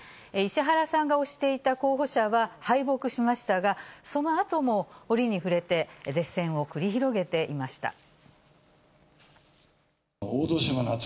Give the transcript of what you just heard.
石原さんが推していた候補者は敗北しましたが、そのあとも、折に触れて舌戦を繰り広げていました。